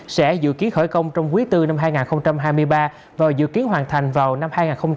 sẽ dự kiến khởi công trong quý bốn năm hai nghìn hai mươi ba và dự kiến hoàn thành vào năm hai nghìn hai mươi năm